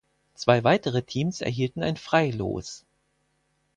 Zwei weitere Teams erhielten ein Freilos.